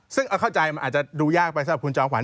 ซึ่งเอาเข้าใจมันอาจจะดูยากไปสำหรับคุณจอมขวั